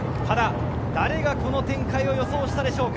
誰がこの展開を予想したでしょうか。